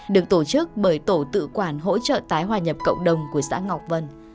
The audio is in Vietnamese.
được tổ chức bởi tổ tự quản hỗ trợ tái hòa nhập cộng đồng của xã ngọc vân